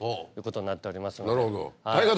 なるほど。